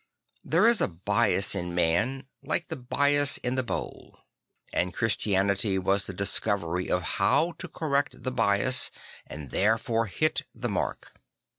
There is a bias in man like the bias in the bowl; and Christianity was the discovery of how to correct the bias and therefore hit the mark.